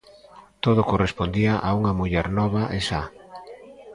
Todo correspondía a unha muller nova e sa.